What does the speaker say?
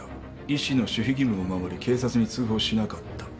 「医師の守秘義務を守り警察に通報しなかった」